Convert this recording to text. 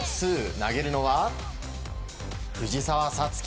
投げるのは藤澤五月。